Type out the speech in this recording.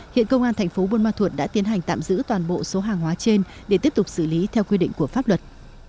hiện công an tp bôn ma thuật đã tiến hành tạm giữ toàn bộ số hàng hóa trên để tiếp tục xử lý theo quy định của pháp luật